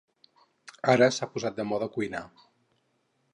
Ara s'ha posat de moda cuinar.